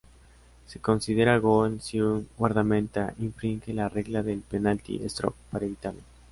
Se considera gol si un guardameta infringe la regla del penalti-stroke para evitarlo.